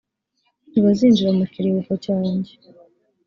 ntibazinjira mu kiruhuko cyanjye